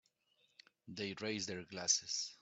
They raise their glasses.